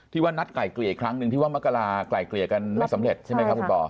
ว่านัดไกลเกลี่ยอีกครั้งหนึ่งที่ว่ามกราไกลเกลี่ยกันไม่สำเร็จใช่ไหมครับคุณปอ